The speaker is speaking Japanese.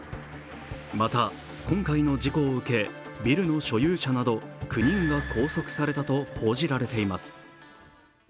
また今回の事故を受けビルの所有者など９人が拘束されたと報じられています。